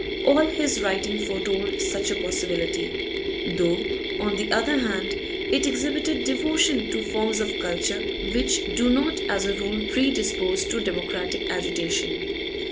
All his writing foretold such a possibility, though on the other hand it exhibited devotion to forms of culture which do not as a rule predispose to democratic agitation.